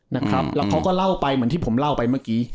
นะครับแล้วเขาก็เล่าไปเหมือนที่ผมเล่าไปเมื่อกี้